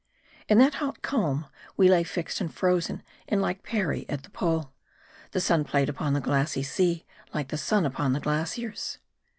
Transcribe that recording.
In that hot calm, we lay fixed and frozen in like Parry at the Pole. The sun played upon the glassy sea like the sun upon the glaciers.